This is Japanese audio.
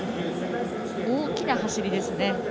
大きな走りですね。